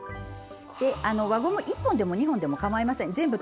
輪ゴムは、１本でも２本でも構いません。